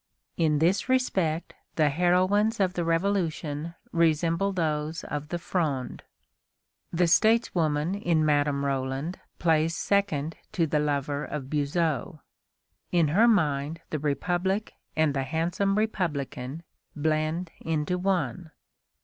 In this respect the heroines of the Revolution resemble those of the Fronde. The stateswoman in Madame Roland plays second to the lover of Buzot. In her mind the Republic and the handsome republican blend into one.